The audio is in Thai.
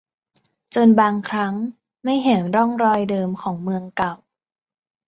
จนบางครั้งไม่เห็นร่องรอยเดิมของเมืองเก่า